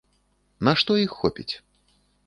На што іх хопіць?